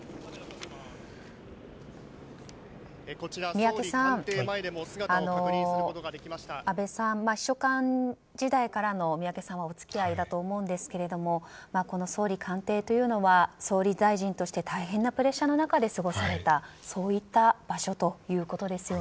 宮家さん、安倍さんとは秘書官時代からの宮家さんはお付き合いだと思うんですが総理官邸というのは総理大臣として大変なプレッシャーの中で過ごされたそういった場所ということ